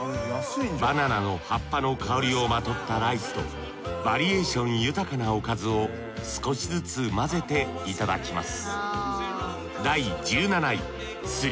バナナの葉っぱの香りをまとったライスとバリエーション豊かなおかずを少しずつ混ぜていただきます